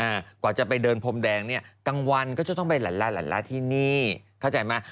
กว่าจะไปเดินพรมแดงเนี่ยกลางวันก็จะต้องไปหลันลาหลันลาที่นี่เข้าใจไหม